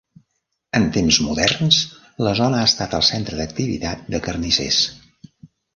En temps moderns, la zona ha estat el centre d'activitat de carnissers.